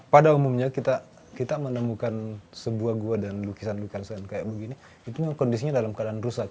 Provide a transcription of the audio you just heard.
pada umumnya kita menemukan sebuah gua dan lukisan lukisan kayak begini itu kondisinya dalam keadaan rusak